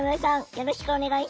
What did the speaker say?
よろしくお願いします。